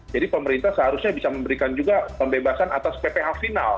jadi pemerintah seharusnya bisa memberikan juga pembebasan atas pph final